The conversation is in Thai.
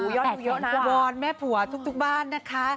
ยอดวิวนะวอนแม่ผัวทุกบ้านนะคะ